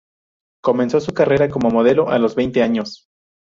Comenzó su carrera como modelo a los veinte años.